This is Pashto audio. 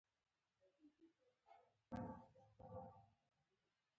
روسان د ګاونډیانو په حیث راغلي دي.